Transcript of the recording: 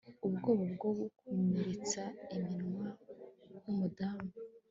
Ubwoba bwo gukomeretsa iminwa yumudamu